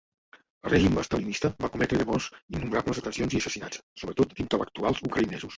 El règim estalinista va cometre llavors innombrables detencions i assassinats, sobretot d'intel·lectuals ucraïnesos.